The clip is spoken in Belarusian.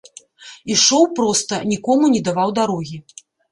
Ішоў проста, нікому не даваў дарогі.